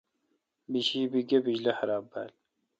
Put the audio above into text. بیشی بی گہ بجلی خراب بال۔